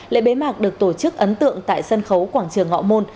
lễ bế mạc được tổ chức ấn tượng tại sân khấu quảng trường ngọ môn